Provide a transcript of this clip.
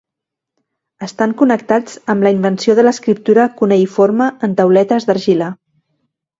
Estan connectats amb la invenció de l'escriptura cuneïforme en tauletes d'argila.